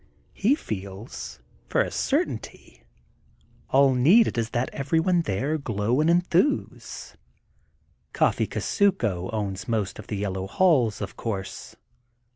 He feels, for a certainty, all needed is that everyone there glow and enthuse. Coffee Kusuko owns most of the Yellow Halls, of course.